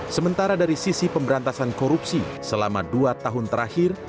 sementara dari sisi pemberantasan korupsi selama dua tahun terakhir